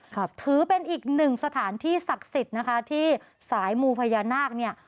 ถือเป็นอีกหนึ่งสถานที่ศักดิ์สิทธิ์นะคะที่สายมูพญานาคเนี่ย